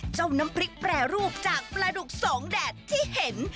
น้ำพริกแปรรูปจากปลาดุกสองแดดที่เห็น